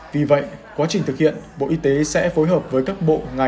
vì vậy quá trình thực hiện bộ y tế sẽ phối hợp với các bộ ngành